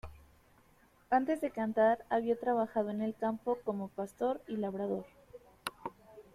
Antes de cantar había trabajado en el campo como pastor y labrador.